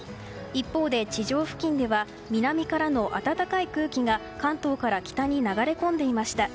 一方で地上付近では南からの暖かい空気が関東から北に流れ込んできました。